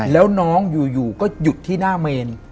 แล้วน้องอยู่ก็หยุดที่หน้าเมน